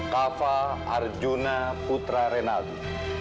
kafa arjuna putra renaldi